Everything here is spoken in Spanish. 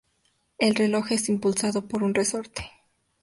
El reloj es impulsado por un resorte.